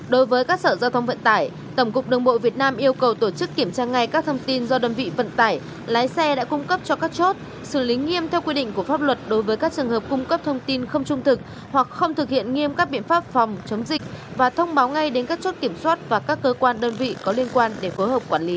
đối với các sở giao thông vận tải tổng cục đường bộ việt nam yêu cầu tổ chức kiểm tra ngay các thông tin do đơn vị vận tải lái xe đã cung cấp cho các chốt xử lý nghiêm theo quy định của pháp luật đối với các trường hợp cung cấp thông tin không trung thực hoặc không thực hiện nghiêm các biện pháp phòng chống dịch và thông báo ngay đến các chốt kiểm soát và các cơ quan đơn vị có liên quan để phối hợp quản lý